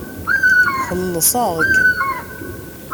Xellṣeɣ-k.